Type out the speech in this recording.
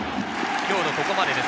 今日のここまでです。